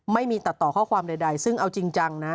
ไม่มีตัดต่อข้อความใดซึ่งเอาจริงจังนะ